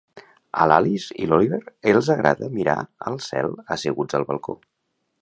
A l'Alice i l'Oliver els agrada mirar al cel asseguts al balcó.